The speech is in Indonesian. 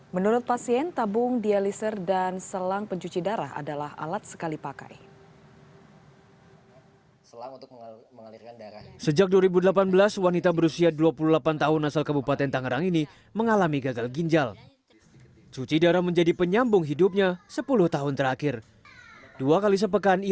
menurut pasien tabung dialiser dan selang pencuci darah adalah alat sekali pakai